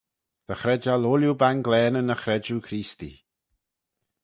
Dy chredjal ooilley banglaneyn y chredjue Creestee.